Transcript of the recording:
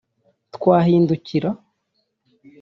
twahindukira